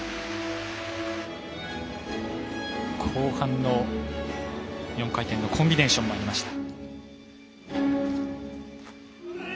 後半の４回転のコンビネーションもありました。